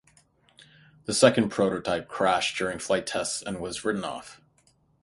The second prototype crashed during flight tests and was written off.